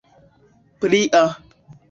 plia